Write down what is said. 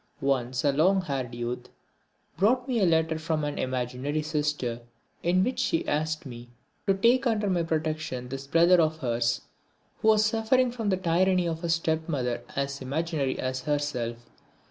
Once a long haired youth brought me a letter from an imaginary sister in which she asked me to take under my protection this brother of hers who was suffering from the tyranny of a stepmother as imaginary as herself.